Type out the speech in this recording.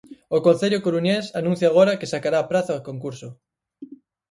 O Concello coruñés anuncia agora que sacará a praza a concurso.